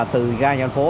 từ ga thành phố